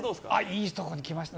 いいとこに来ました。